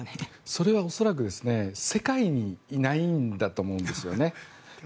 それは恐らく世界にいないんだと思うんです。